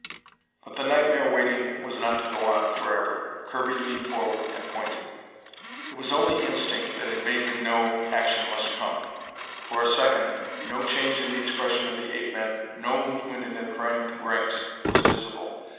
But the nightmare waiting was not to go on forever. Kirby leaned forward and pointed. It was only instinct that had made him know action must come. For a second, no change in the expression of the ape men, no movement in their crammed ranks, was visible.